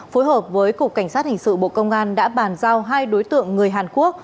phối hợp với cục cảnh sát hình sự bộ công an đã bàn giao hai đối tượng người hàn quốc